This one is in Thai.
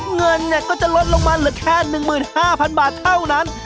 เงินก็จะลดลงมาเหลือแค่๑๕๐๐๐บาทเท่านั้น